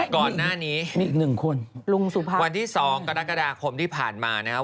ก่อนหน้านี้วันที่๒กรกฎาคมที่ผ่านมานะครับ